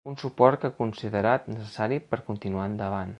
Un suport que ha considerat ‘necessari per continuar endavant’.